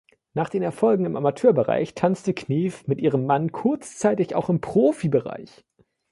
Nach den Erfolgen im Amateurbereich tanzte Knief mit ihrem Mann kurzzeitig auch im Profibereich.